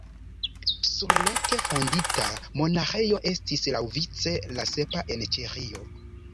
Surloke fondita monaĥejo estis laŭvice la sepa en Ĉeĥio.